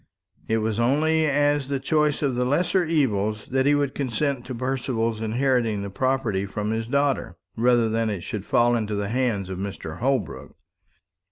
It was only as the choice of the lesser evil that he would consent to Percival's inheriting the property from his daughter, rather than it should fall into the hands of Mr. Holbrook.